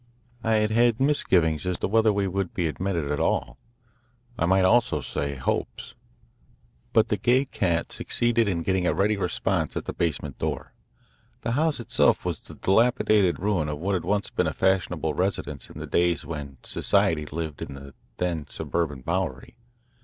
I had had misgivings as to whether we would be admitted at all I might almost say hopes but the Gay Cat succeeded in getting a ready response at the basement door. The house itself was the dilapidated ruin of what had once been a fashionable residence in the days when society lived in the then suburban Bowery.